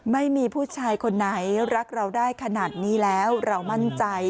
ไม่มีผู้ชายคนไหนรักเราได้ขนาดนี้แล้วเรามั่นใจ